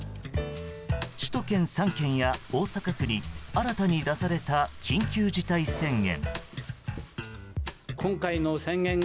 首都圏３県や大阪府に新たに出された緊急事態宣言。